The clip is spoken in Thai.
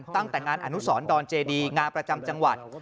ตั้งแต่งานอนุสรดอนเจดีงานประจำจังหวัด